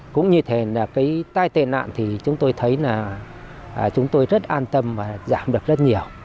cũng như thế là cái tai tệ nạn thì chúng tôi thấy là chúng tôi rất an tâm và giảm được rất nhiều